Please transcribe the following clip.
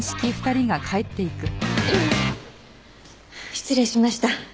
失礼しました。